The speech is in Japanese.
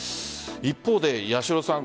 一方で八代さん